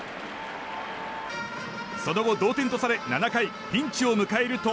その後、同点とされ７回ピンチを迎えると。